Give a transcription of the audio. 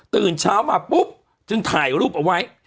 ตื่นเช้ามาปุ๊บจึงถ่ายรูปเอาไว้